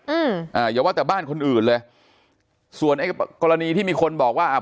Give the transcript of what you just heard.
อืมอ่าอย่าว่าแต่บ้านคนอื่นเลยส่วนไอ้กรณีที่มีคนบอกว่าอ่า